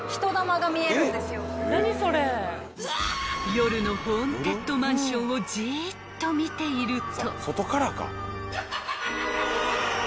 ［夜のホーンテッドマンションをじっと見ていると］